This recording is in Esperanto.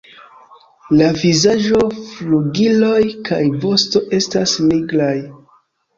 La vizaĝo, flugiloj kaj vosto estas nigraj.